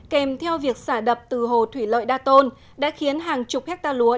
kèm theo việc xả đập từ hồ thủy lợi đa tôn đã khiến hàng chục hectare lúa